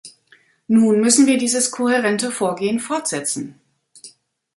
Nun müssen wir dieses kohärente Vorgehen fortsetzen.